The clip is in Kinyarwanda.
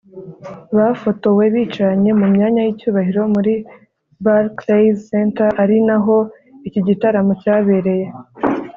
bafotowe bicaranye mu myanya y’icyubahiro muri Barclays Center ari naho iki gitaramo cyabereye